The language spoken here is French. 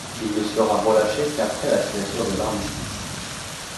Il ne sera relâché qu'après la signature de l'armistice.